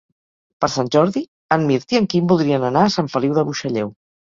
Per Sant Jordi en Mirt i en Quim voldrien anar a Sant Feliu de Buixalleu.